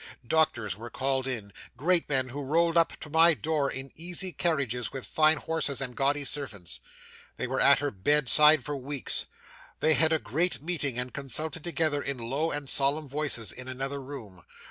'Doctors were called in great men who rolled up to my door in easy carriages, with fine horses and gaudy servants. They were at her bedside for weeks. They had a great meeting and consulted together in low and solemn voices in another room.